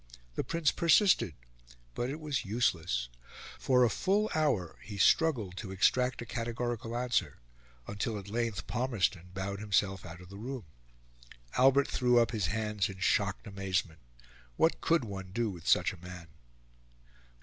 The Prince persisted; but it was useless; for a full hour he struggled to extract a categorical answer, until at length Palmerston bowed himself out of the room. Albert threw up his hands in shocked amazement: what could one do with such a man?